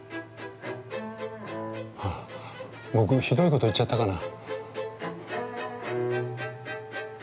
僕ひどいこと言っちゃったかな。